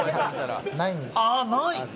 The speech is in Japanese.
あっない？